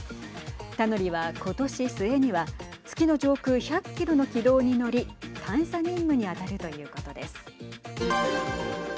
タヌリは今年末には月の上空１００キロの軌道に乗り探査任務に当たるということです。